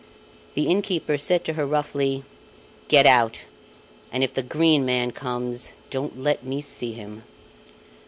The innkeeper said to her roughly: "Get out! and if the Green Man comes, don't let me see him."